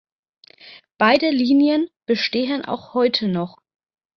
Beide Linien bestehen auch heute noch.